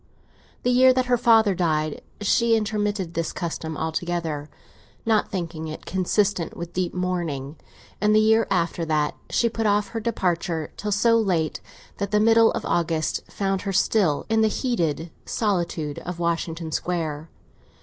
The year that her father died she intermitted this custom altogether, not thinking it consistent with deep mourning; and the year after that she put off her departure till so late that the middle of August found her still in the heated solitude of Washington Square.